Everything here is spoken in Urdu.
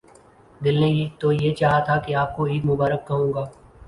دل نے تو یہ چاہا تھا کہ آپ کو عید مبارک کہوں گا۔